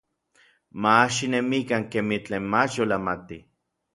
Mach xinemikan kemij tlen mach yolamatij.